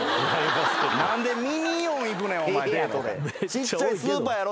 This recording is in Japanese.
ちっちゃいスーパーやろ？